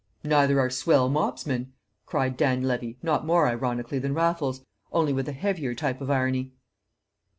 "Neither are swell mobsmen!" cried Dan Levy, not more ironically than Raffles, only with a heavier type of irony.